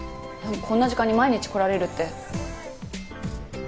こんな時間に毎日来られるって。